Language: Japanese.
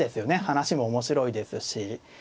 話も面白いですし。